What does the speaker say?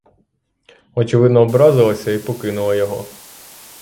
Очевидно, образилася і покинула його.